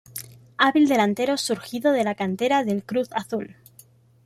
Hábil delantero surgido de la cantera del Cruz Azul.